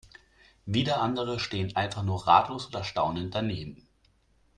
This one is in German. Wieder andere stehen einfach nur ratlos oder staunend daneben.